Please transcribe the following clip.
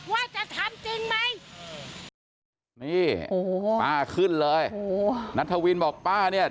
ว่าจะทำจริงไหมนี่โอ้โหป้าขึ้นเลยโอ้โหนัทวินบอกป้าเนี่ย